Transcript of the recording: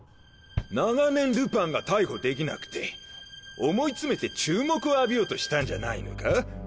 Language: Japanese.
長年ルパンが逮捕できなくて思い詰めて注目を浴びようとしたんじゃないのか？